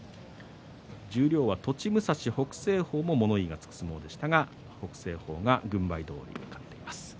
十両は栃武蔵、北青鵬も物言いのつく相撲でしたが北青鵬が軍配どおり勝っています。